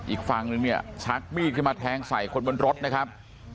อีกฝั่งนึงเนี่ยชักมีดขึ้นมาแทงใส่คนบนรถนะครับ